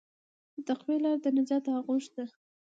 د تقوی لاره د نجات آغوش ده.